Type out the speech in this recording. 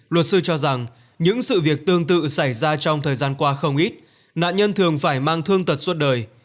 luật sư cho rằng những sự việc tương tự xảy ra trong thời gian qua không ít nạn nhân thường phải mang thương tật suốt đời